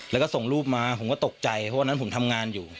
แล้วก็ส่งรูปมาผมก็ตกใจเพราะวันนั้นผมทำงานอยู่